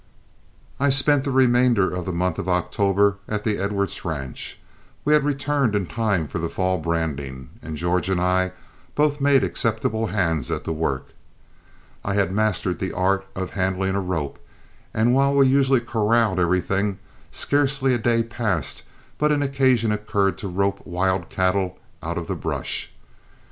I spent the remainder of the month of October at the Edwards ranch. We had returned in time for the fall branding, and George and I both made acceptable hands at the work. I had mastered the art of handling a rope, and while we usually corralled everything, scarcely a day passed but occasion occurred to rope wild cattle out of the brush.